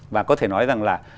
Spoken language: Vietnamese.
và có thể nói rằng là